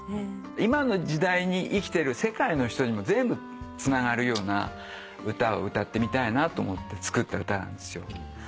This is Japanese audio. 今の時代に生きてる世界の人にもつながるような歌を歌ってみたいなと思って作った歌なんですよ。